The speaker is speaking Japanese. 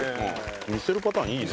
見せるパターンいいね。